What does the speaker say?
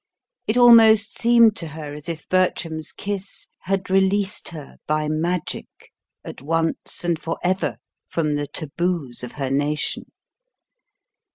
It almost seemed to her as if Bertram's kiss had released her by magic, at once and for ever, from the taboos of her nation.